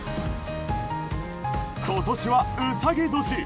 今年は、うさぎ年。